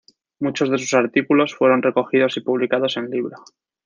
Muchos de sus artículos fueron recogidos y publicados en libro.